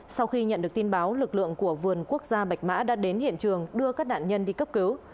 sau khi nhận được tin báo lực lượng của vườn quốc gia bạch mã đã đến hiện trường đưa các nạn nhân đi cấp cứu